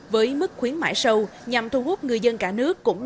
với mức khuyến mại sâu nhằm thu hút người dân cả nước